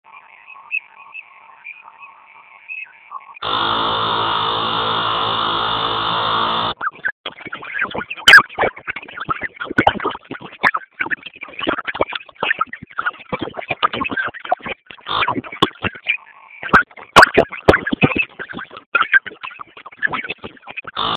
ni bayana kuwa